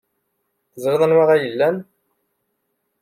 Teẓriḍ anwa ay aɣ-ilan.